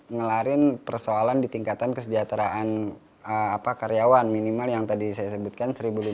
ngelarin persoalan di tingkatan kesejahteraan karyawan minimal yang tadi saya sebutkan